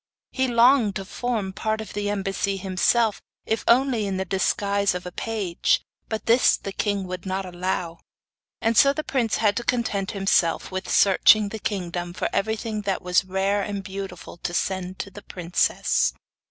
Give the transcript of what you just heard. He longed to form part of the embassy himself, if only in the disguise of a page; but this the king would not allow, and so the prince had to content himself with searching the kingdom for everything that was rare and beautiful to send to the princess.